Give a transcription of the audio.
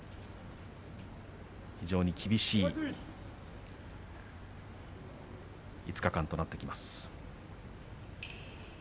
非常に厳しい５日間となってきます。